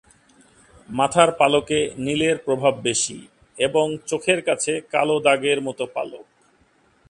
মাথার পালকে নীলের প্রভাব বেশি এবং চোখের কাছে কালো দাগের মত পালক।